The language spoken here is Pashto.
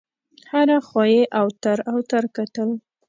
هره خوا یې اوتر اوتر کتل.